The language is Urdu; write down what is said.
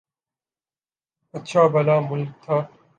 اچھا بھلا ملک تھا۔